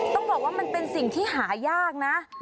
ต้องบอกว่ามันเป็นสิ่งที่หายากนะ